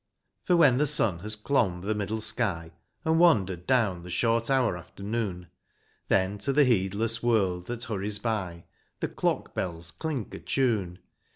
For when the sun has clomb the middle sky. And wandered down the short hour after noon, Then to the heedless world that hurries by The clock bells clink a tune.